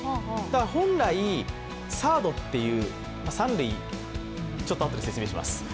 本来、サードっていう三塁ちょっと後で説明します。